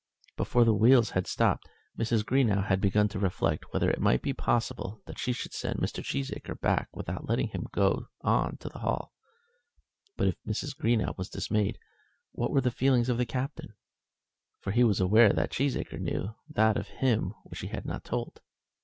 Before the wheels had stopped, Mrs. Greenow had begun to reflect whether it might be possible that she should send Mr. Cheesacre back without letting him go on to the Hall; but if Mrs. Greenow was dismayed, what were the feelings of the Captain? For he was aware that Cheesacre knew that of him which he had not told.